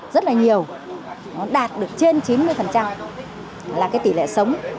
rất là nhiều đạt được trên chín mươi là tỷ lệ sống